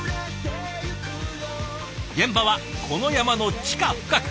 現場はこの山の地下深く。